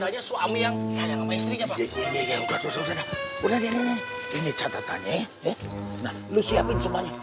ya udah udah deh ini catatannya ya lu siapin semuanya